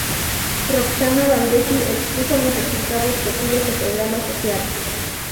Roxana Baldetti expuso los resultados que tuvo este programa social.